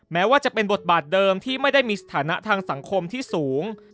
แม้ว่าจะเป็นบทบาทเดิมที่ไม่ได้มีสถานะทางสังคมที่สูง